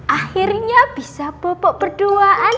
akhirnya bisa popok berduaan